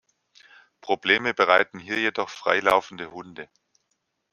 Probleme bereiten hier jedoch freilaufende Hunde.